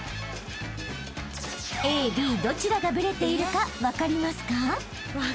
［ＡＢどちらがブレているか分かりますか？］